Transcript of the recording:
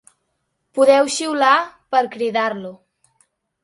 Podeu xiular per cridar-lo.